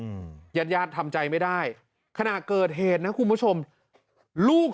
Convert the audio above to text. อืมญาติญาติทำใจไม่ได้ขณะเกิดเหตุนะคุณผู้ชมลูก